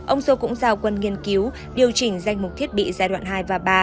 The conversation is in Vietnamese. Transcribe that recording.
ông sô cũng giao quân nghiên cứu điều chỉnh danh mục thiết bị giai đoạn hai và ba